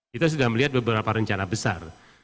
kita sudah melihat beberapa rencana besar